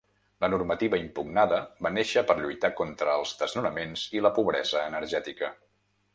La normativa impugnada va néixer per lluitar contra els desnonaments i la pobresa energètica.